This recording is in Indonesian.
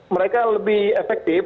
mereka lebih efektif